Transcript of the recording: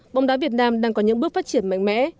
bóng đá việt nam đang có những bước phát triển mạnh mẽ